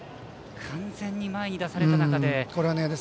完全に前に出された中で。